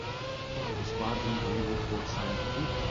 The squadron's radio call sign is "Nikel".